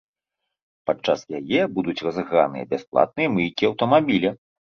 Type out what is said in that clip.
Падчас яе будуць разыграныя бясплатныя мыйкі аўтамабіля.